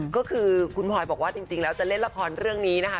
ก็คือคุณพลอยบอกว่าจริงแล้วจะเล่นละครเรื่องนี้นะคะ